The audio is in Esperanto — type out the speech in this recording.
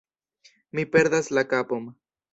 Mi perdas la kapon!